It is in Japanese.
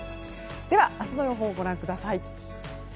では明日の予報をご覧ください。